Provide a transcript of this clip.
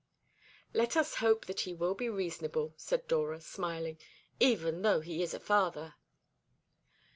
"Let us hope that he will be reasonable," said Dora, smiling, "even though he is a father."